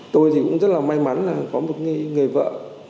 tôi thì cũng rất là may mắn là có một người vợ